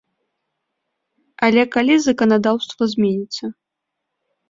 Але калі заканадаўства зменіцца?